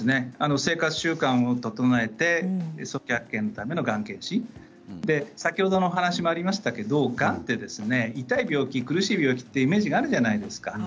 生活習慣を整えて早期発見のためのがん検診先ほどの話にもありましたががんは痛い病気苦しい病気というイメージがあるじゃないですか。